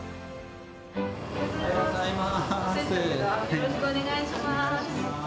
よろしくお願いします。